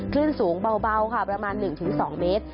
ขึ้นสูงเบาค่ะประมาณ๑๒เมตร